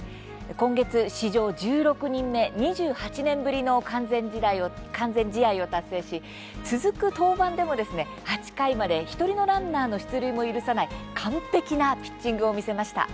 今月、史上１６人目２８年ぶりの完全試合を達成し続く登板でも、８回まで１人のランナーの出塁も許さない完璧なピッチングを見せました。